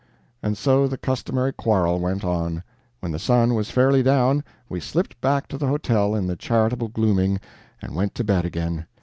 And so the customary quarrel went on. When the sun was fairly down, we slipped back to the hotel in the charitable gloaming, and went to bed again.